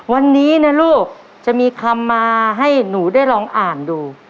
วันนี้นะลูกจะมีคำมาให้หนูได้ลองอ่านดู